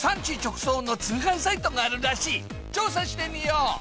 調査してみよう！